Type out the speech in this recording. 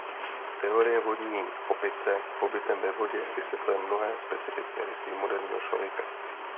Teorie vodní opice pobytem ve vodě vysvětluje mnohé specifické rysy moderního člověka.